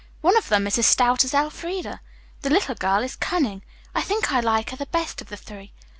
One of them is as stout as Elfreda. The little girl is cunning. I think I like her the best of the three.